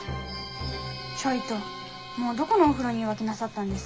「ちょいともうどこのお風呂に浮気なさったんです？」。